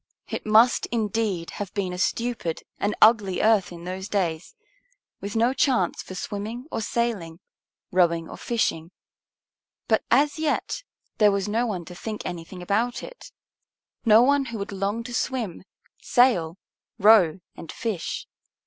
It must, indeed, have been a stupid and ugly earth in those days, with no chance for swimming or sailing, rowing or fishing. But as yet there was no one to think anything about it, no one who would long to swim, sail, row, and fish.